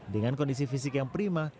dengan kondisi fisik yang prima